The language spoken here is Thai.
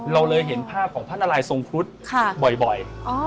เราเลยเห็นภาพของพระนาลัยทรงครุฑบ่อย